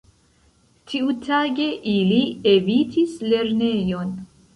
Tiutage ili evitis lernejon.